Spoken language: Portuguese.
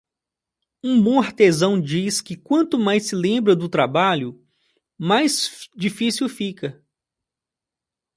Um bom artesão diz que quanto mais se lembra do trabalho, mais difícil fica.